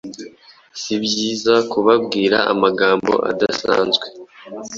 Si byiza kubabwira amagambo adasanzwe,